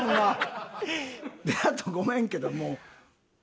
であとごめんけども。